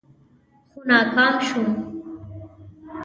خو ناکام شوم.